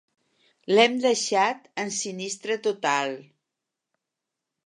L'hem deixat en sinistre total.